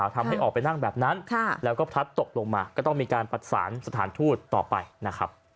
ทำให้ออกไปนั่งแบบนั้นแล้วถัดตกลงมาก็ต้องมีสถานทูตต่อไปนะครับ